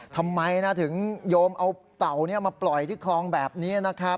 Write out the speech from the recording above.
ทำไมถึงโยมเอาเต่ามาปล่อยที่คลองแบบนี้นะครับ